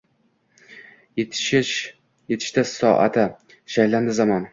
Yetishdi soati. Shaylandi zamon